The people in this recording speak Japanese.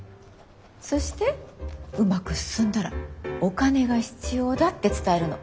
そしてうまく進んだらお金が必要だって伝えるの。